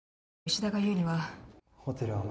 石田が言うには。